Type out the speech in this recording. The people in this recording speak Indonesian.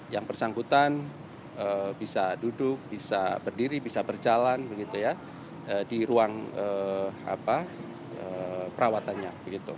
yang bersangkutan bisa duduk bisa berdiri bisa berjalan di ruang perawatannya